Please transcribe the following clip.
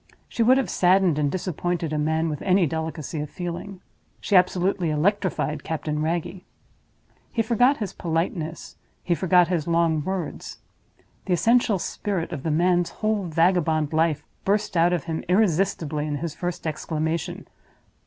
She would have saddened and disappointed a man with any delicacy of feeling. She absolutely electrified Captain Wragge. He forgot his politeness, he forgot his long words. The essential spirit of the man's whole vagabond life burst out of him irresistibly in his first exclamation.